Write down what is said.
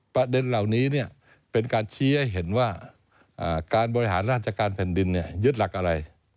ประเด็นเหล่านี้เป็นการชี้ให้เห็นว่าการบริหารราชการแผ่นดินยึดหลักอะไร